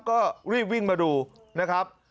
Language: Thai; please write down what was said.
ก็รีบวิ่งมาดูนะครับ